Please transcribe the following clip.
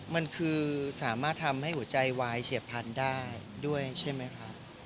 มันคือสามารถทำให้หัวใจไวเชี่ยภัณฑ์ได้ด้วยใช่ไหมค่ะ